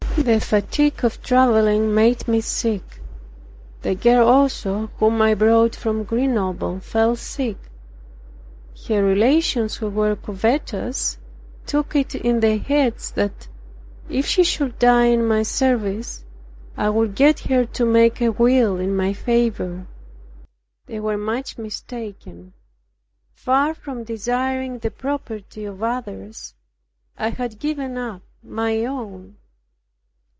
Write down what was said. The fatigue of traveling made me sick. The girl also whom I brought from Grenoble fell sick. Her relations, who were covetous took it in their heads that, if she should die in my service, I would get her to make a will in my favor. They were much mistaken. Far from desiring the property of others, I had given up my own.